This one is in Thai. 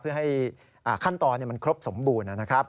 เพื่อให้ขั้นตอนมันครบสมบูรณ์นะครับ